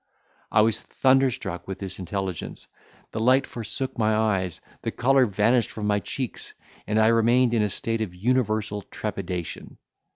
I was thunderstruck with this intelligence, the light forsook my eyes, the colour vanished from my cheeks, and I remained in a state of universal trepidation!